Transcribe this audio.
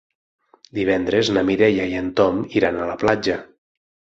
Divendres na Mireia i en Tom iran a la platja.